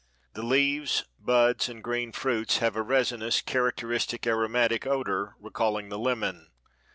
The leaves, buds and green fruits have a resinous, characteristic aromatic odor, recalling the lemon.